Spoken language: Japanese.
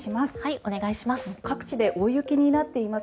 お願いします。